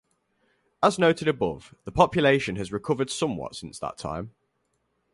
As noted above, the population has recovered somewhat since that time.